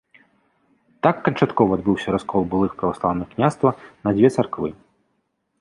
Так канчаткова адбыўся раскол былых праваслаўных княства на дзве царквы.